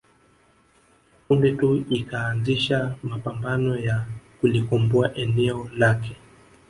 Punde tu ikaanzisha mapambano ya kulikomboa eneo lake